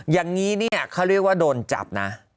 อย่างนี้เนี่ยเขาเรียกว่าโดนจับนะ